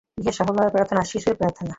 ইহা সরল ভাবের প্রার্থনা, শিশুর প্রার্থনা।